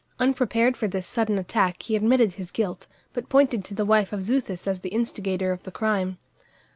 Unprepared for this sudden attack he admitted his guilt, but pointed to the wife of Xuthus as the instigator of the crime.